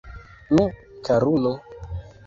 Nu, karulo?